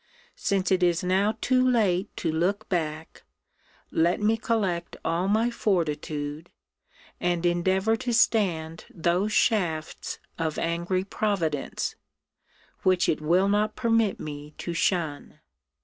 Since it is now too late to look back, let me collect all my fortitude, and endeavour to stand those shafts of angry Providence, which it will not permit me to shun!